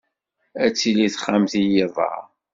Ad tili texxamt i yiḍ-a?